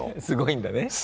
すごいんだね。